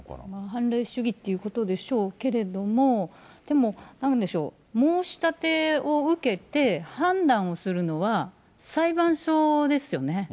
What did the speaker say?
判例主義ということでしょうけれども、でも、なんでしょう、申し立てを受けて、判断をするのは裁判所ですよね。